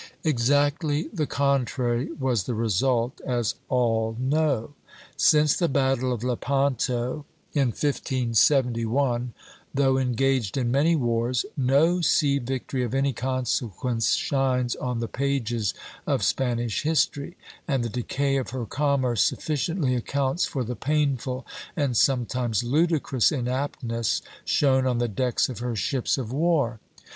Exactly the contrary was the result, as all know. Since the battle of Lepanto in 1571, though engaged in many wars, no sea victory of any consequence shines on the pages of Spanish history; and the decay of her commerce sufficiently accounts for the painful and sometimes ludicrous inaptness shown on the decks of her ships of war.